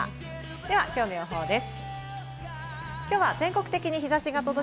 では、きょうの予報です。